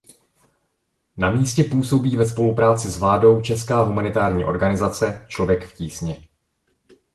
Na místě působí ve spolupráci s vládou česká humanitární organizace Člověk v tísni.